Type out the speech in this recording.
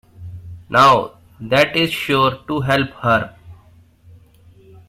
Now that is sure to help her!